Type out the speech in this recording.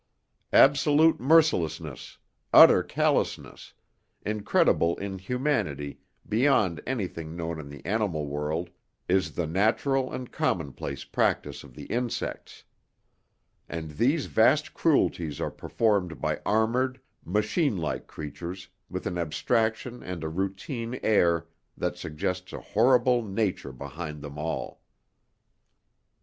Absolute mercilessness, utter callousness, incredible inhumanity beyond anything known in the animal world is the natural and commonplace practice of the insects. And these vast cruelties are performed by armoured, machine like creatures with an abstraction and a routine air that suggests a horrible Nature behind them all.